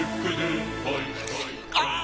ああ！